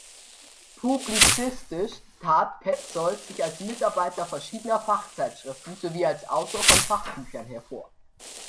Publizistisch tat Petzold sich als Mitarbeiter verschiedener Fachzeitschriften sowie als Autor von Fachbüchern hervor.